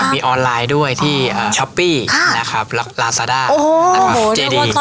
มีออนไลน์ด้วยที่ช้อปปี้ลาซาด้าอันปรับเจดี